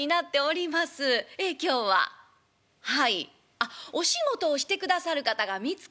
あっお仕事をしてくださる方が見つかった？